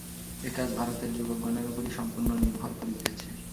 এ-কাজ ভারতের যুবকগণের উপরই সম্পূর্ণ নির্ভর করিতেছে।